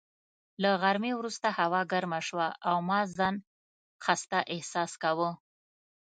له غرمې وروسته هوا ګرمه شوه او ما ځان خسته احساس کاوه.